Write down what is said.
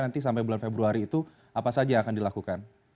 nanti sampai bulan februari itu apa saja yang akan dilakukan